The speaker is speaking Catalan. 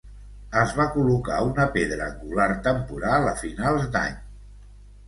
Es va col·locar una pedra angular temporal a finals d'any.